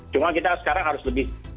cuma kita sekarang harus lebih